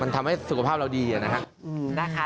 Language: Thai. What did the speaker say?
มันทำให้สุขภาพเราดีนะครับ